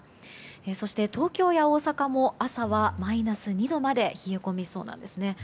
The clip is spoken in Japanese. そして東京や大阪も朝はマイナス２度まで冷え込みそうなんですね。